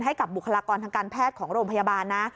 บุคลากรทางการแพทย์ของโรงพยาบาลนะ